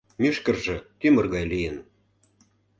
Мӱшкыржӧ тӱмыр гай лийын.